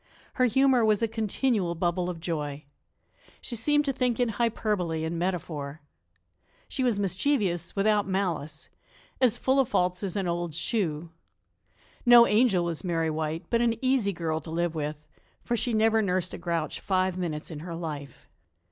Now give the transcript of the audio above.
Her humor was a continual bubble of joy. She seemed to think in hyperbole and metaphor. She was mischievous without malice, as full of faults as an old shoe. No angel was Mary White, but an easy girl to live with, for she never nursed a grouch five minutes in her life.